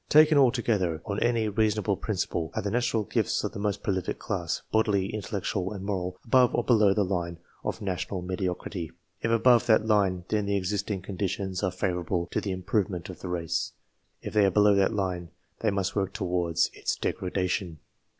Taken altogether, on any reasonable principle, are the natural gifts of the most prolific class, bodily, in tellectual, and moral, above or below the line of national mediocrity ? If above that line, then the existing con ditions are favourable to the improvement of the race. If they are below that line, they must work towards its degradation.